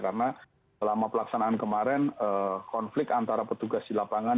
karena selama pelaksanaan kemarin konflik antara petugas di lapangan